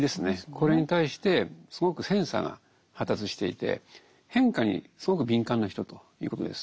これに対してすごくセンサーが発達していて変化にすごく敏感な人ということです。